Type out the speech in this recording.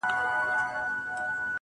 د سوځېدلو لرگو زور خو له هندو سره وي,